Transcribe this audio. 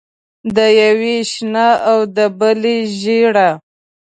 د یوې شنه او د بلې ژېړه.